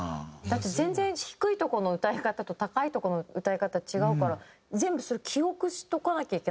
だって全然低いとこの歌い方と高いとこの歌い方違うから全部それ記憶しとかなきゃいけないって事ですね？